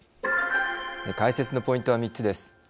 解説のポイントは３つです。